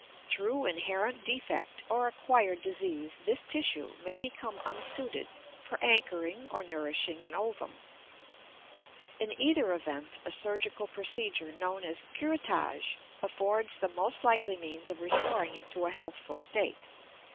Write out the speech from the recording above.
Through inherent defect or acquired disease this tissue may become unsuited for anchoring or nourishing an ovum. In either event, a surgical procedure, known as curettage, affords the most likely means of restoring it to a healthful state.